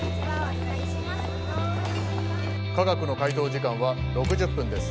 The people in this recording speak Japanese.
・化学の解答時間は６０分です